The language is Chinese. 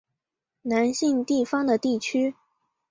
南信地方的地区。